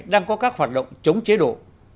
đang có các hoạt động chống chế độ